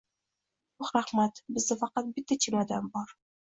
Yo'q, rahmat, bizda faqat bitta chemadon bor.